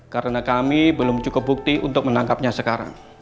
karena kami belum cukup bukti untuk menangkapnya sekarang